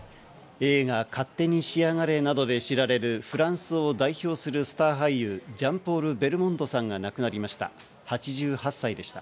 映画『勝手にしやがれ』などで知られるフランスを代表するスター俳優、ジャンポール・ベルモンドさんが亡くなりました。